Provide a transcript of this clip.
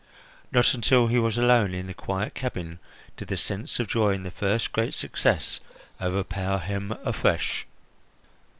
Not until he was alone in the quiet cabin did the sense of joy in his first great success overpower him afresh.